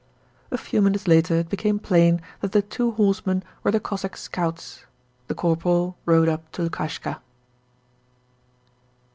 A few minutes later it became plain that the two horsemen were the Cossack scouts. The corporal rode up to Lukashka.